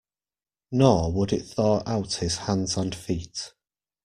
Nor would it thaw out his hands and feet.